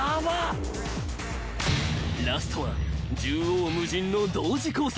［ラストは縦横無尽の同時交差］